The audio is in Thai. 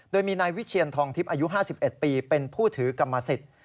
โดยมีนายวิเชียนทองทิพย์อายุ๕๑ปีเป็นผู้ถือกรรมสิทธิ์